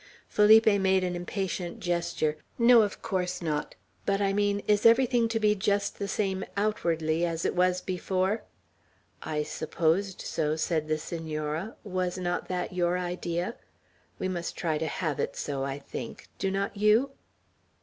Felipe made an impatient gesture. "No, of course not. But I mean, is everything to be just the same, outwardly, as it was before?" "I supposed so," said the Senora. "Was not that your idea? We must try to have it so, I think. Do not you?"